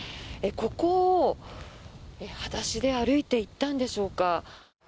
ここを裸足で歩いていったんでしょうか。